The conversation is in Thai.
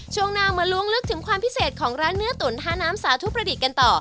ช่วงหน้ามาล้วงลึกถึงความพิเศษของร้านเนื้อตุ๋นท่าน้ำสาธุประดิษฐ์กันต่อ